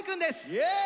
イエーイ！